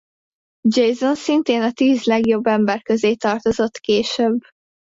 Jason szintén a tíz legjobb ember közé tartozott később.